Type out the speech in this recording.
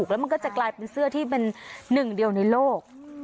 แล้วมันก็จะกลายเป็นเสื้อที่เป็นหนึ่งเดียวในโลก